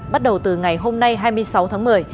bắt đầu từ ngày hôm nay hai mươi sáu tháng một mươi